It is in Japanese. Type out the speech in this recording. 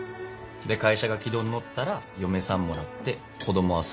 で会社が軌道に乗ったら嫁さんもらって子供は最低５人。